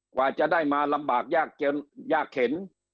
กว่าจะได้มาลำบากยากจนยากเข็น